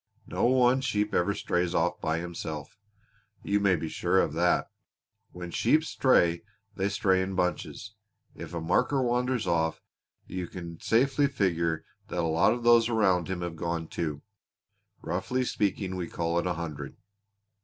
No one sheep ever strays off by himself, you may be sure of that. When sheep stray they stray in bunches. If a marker wanders off you can safely figure that a lot of those around him have gone too. Roughly speaking we call it a hundred."